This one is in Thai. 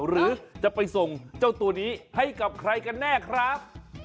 หรือจะไปส่งเจ้าตัวนี้ให้กับใครกันแน่ครับ